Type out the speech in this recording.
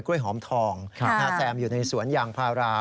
กล้วยหอมทองถ้าแซมอยู่ในสวนยางพารา